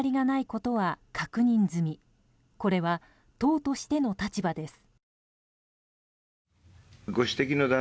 これは党としての立場です。